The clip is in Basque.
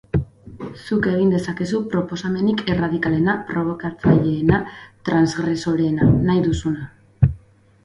Zuk egin dezakezu proposamenik erradikalena, probokatzaileena, transgresoreena, nahi duzuna...